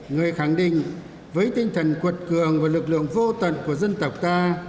người khẳng định với tinh thần quật cường và lực lượng vô tận của dân tộc ta